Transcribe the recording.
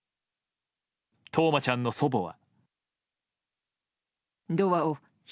冬生ちゃんの祖母は。